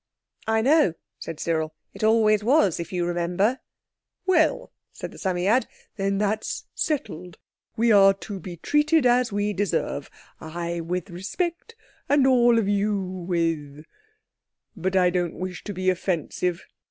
"I know," said Cyril, "it always was, if you remember." "Well," said the Psammead, "then that's settled. We're to be treated as we deserve. I with respect, and all of you with—but I don't wish to be offensive.